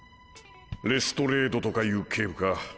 レストレードとかいう警部か。